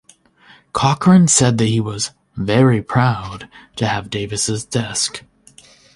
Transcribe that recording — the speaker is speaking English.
Cochran said that he was "very proud" to have Davis' desk.